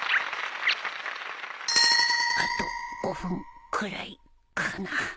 あと５分くらいかな